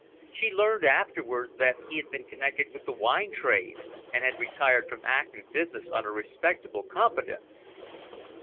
She learned afterwards that he had been connected with the wine trade, and had retired from active business on a respectable competence.